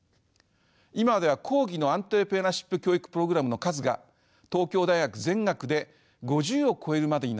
今では講義のアントレプレナーシップ教育プログラムの数が東京大学全学で５０を超えるまでになっています。